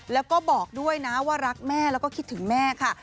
แล้วก็บอกด้วยนะว่ารักแม่แล้วก็คิดถึงแม่ค่ะ